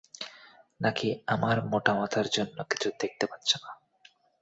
নাকি আমার মোটা মাথার জন্যে কিছু দেখতে পাচ্ছো না?